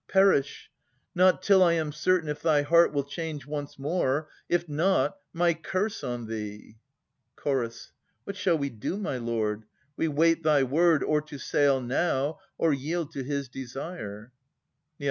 Perish, — not till I am certain if thy heart Will change once more,— if not, my curse on thee! Ch. What shall we do, my lord ? We wait thy word Or to sail now, or yield to his desire. Ned.